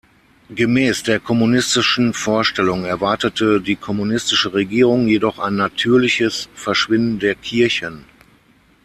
Gemäß der kommunistischen Vorstellung erwartete die kommunistische Regierung jedoch ein „natürliches“ Verschwinden der Kirchen.